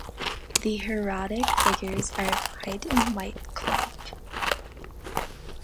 The heraldic figures are applied in white cloth.